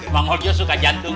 bang hojo suka jantungan